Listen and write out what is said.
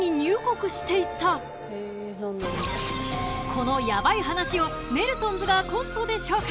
［このヤバい話をネルソンズがコントで紹介］